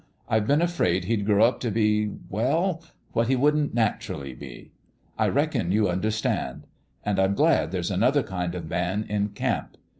I've been afraid he'd grow up to b e we ji what he wouldn't naturally be. I reckon you understand. And I'm glad there's another kind of man in camp.